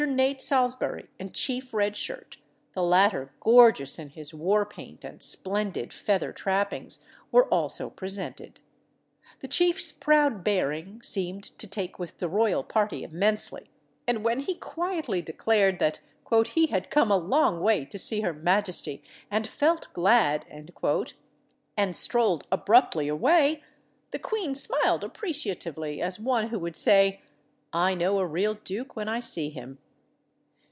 Nate Salsbury and Chief Red Shirt, the latter gorgeous in his war paint and splendid feather trappings, were also presented. The chief's proud bearing seemed to take with the royal party immensely, and when he quietly declared that "he had come a long way to see her majesty, and felt glad," and strolled abruptly away, the queen smiled appreciatively, as one who would say, "I know a real duke when I see him."